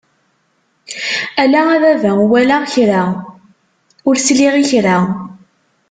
Ala a baba ur walaɣ kra, ur sliɣ i kra!